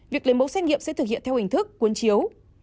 việc lấy mẫu xét nghiệm sẽ thực hiện theo hình thức cuốn chiếu